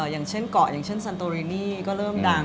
อย่างเช่นเกาะอย่างเช่นซันโตเรนี่ก็เริ่มดัง